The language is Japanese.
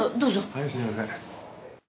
はいすみません。